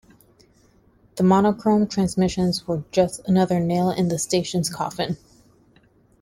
The monochrome transmissions were just another nail in the station's coffin.